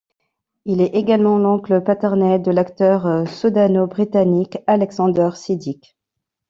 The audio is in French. Il est également l'oncle paternel de l'acteur soudano-britannique Alexander Siddig.